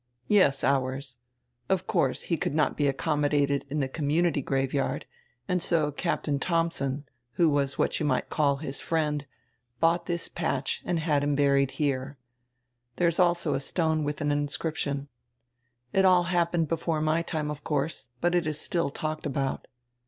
"Yes, ours. Of course, he could not be accommodated in die community graveyard and so Captain Thomsen, who was what you might call his friend, bought this patch and had him buried here. There is also a stone with an inscrip tion. It all happened before my time, of course, but it is still talked about."